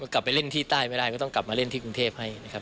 กลับไปเล่นที่ใต้ไม่ได้ก็ต้องกลับมาเล่นที่กรุงเทพให้นะครับ